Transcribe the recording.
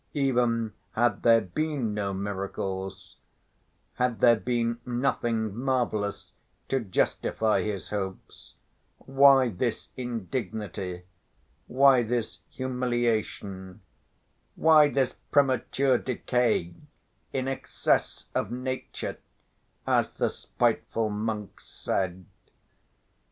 Even had there been no miracles, had there been nothing marvelous to justify his hopes, why this indignity, why this humiliation, why this premature decay, "in excess of nature," as the spiteful monks said?